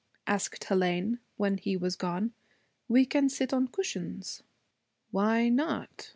asked Hélène, when he was gone. 'We can sit on cushions.' 'Why not?'